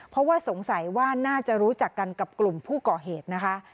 เพราะว่าสงสัยว่าน่าจะรู้จักกันกับกลุ่มผู้ก่อเหตุนะคะ